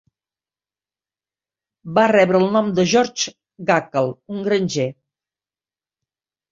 Va rebre el nom de George Gackle, un granger.